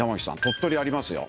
鳥取ありますよ。